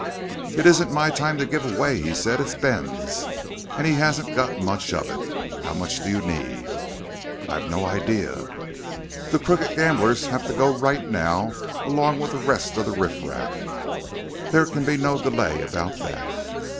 "It isn't my time to give away," he said. "It's Ben's. And he hasn't got much of it. How much do you need?" "I've no idea." "The crooked gamblers have to go right now along with the rest of the riffraff. There can be no delay about that."